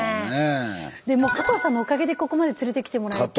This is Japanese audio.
もう加藤さんのおかげでここまで連れてきてもらって。